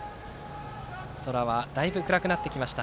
空はだいぶ暗くなってきました。